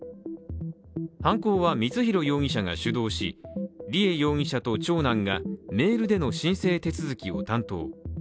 犯行は光弘容疑者が主導し、梨恵容疑者と長男がメールでの申請手続きを担当。